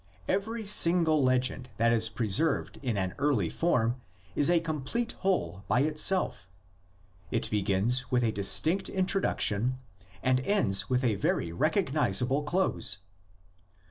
Every single legend that is preserved in an early form is a complete whole by itself; it begins with a distinct introduc tion and ends with a very recognisable close.